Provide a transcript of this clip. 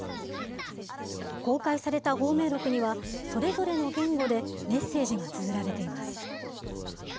公開された芳名録には、それぞれの言語でメッセージがつづられています。